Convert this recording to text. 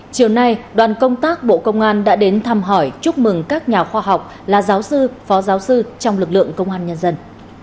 chiều nay đoàn công tác bộ công an đã đến thăm hỏi chúc mừng các nhà khoa học là giáo sư phó giáo sư trong lực lượng công an nhân dân